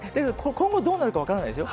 今後、どうなるか分からないですよ。